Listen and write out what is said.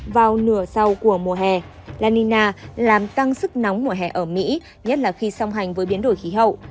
vào nửa sau của mùa hè la nina làm tăng sức nóng mùa hè ở mỹ nhất là khi song hành với biến đổi khí hậu